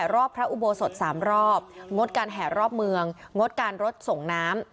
รอบพระอุโบสถ๓รอบงดการแห่รอบเมืองงดการรถส่งน้ำ